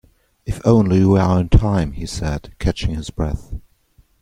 "If only we are in time!" he said, catching his breath.